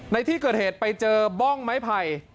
ในที่เกิดเหตุไปเจอบ้องไม้ไผ่